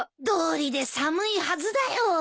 どうりで寒いはずだよ。